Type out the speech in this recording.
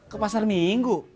ke pasar minggu